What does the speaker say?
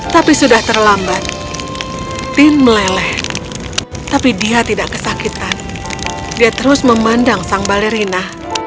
tapi sudah terlambat tim meleleh tapi dia tidak kesakitan dia terus memandang sang balerina